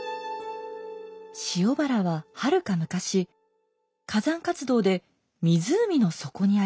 塩原ははるか昔火山活動で湖の底にありました。